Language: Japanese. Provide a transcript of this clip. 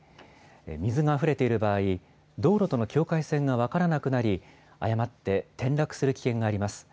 水があふれている場合、道路との境界線が分からなくなり、誤って転落する危険があります。